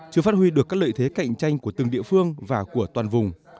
chưa phát huy được các lợi thế cạnh tranh của từng địa phương và của toàn vùng